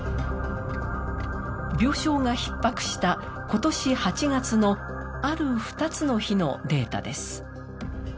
病床がひっ迫した今年８月のある２つの日のデータです。